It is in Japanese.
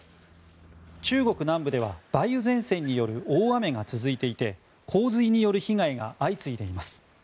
中国南部では梅雨前線による大雨が続いていて洪水による被害が相次いでいます。